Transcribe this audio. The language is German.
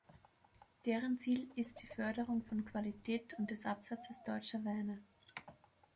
Deren Ziel ist die Förderung von Qualität und des Absatzes deutscher Weine.